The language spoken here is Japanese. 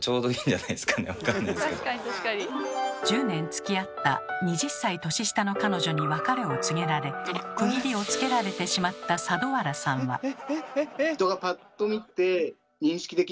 １０年つきあった２０歳年下の彼女に別れを告げられ区切りをつけられてしまった佐渡原さんは。